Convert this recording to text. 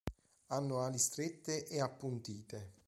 Hanno ali strette e appuntite.